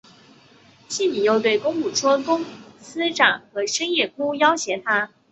季姒又对公甫说公思展和申夜姑要挟她。